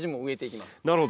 なるほど。